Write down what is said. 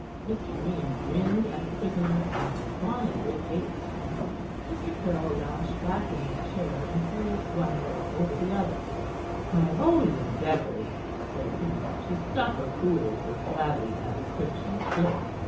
Mr. Green grinned at the prisoner, and was gone in great haste. Mr. Caryll lounged back in his chair, and threw one leg over the other. "I have always endeavored," said he, "to suffer fools as gladly as a Christian should.